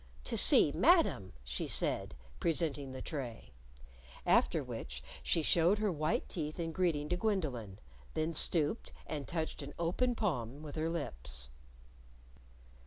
"To see Madam," she said, presenting the tray. After which she showed her white teeth in greeting to Gwendolyn, then stooped, and touched an open palm with her lips.